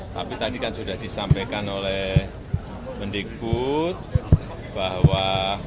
tapi tadi kan sudah disampaikan oleh mendikbud bahwa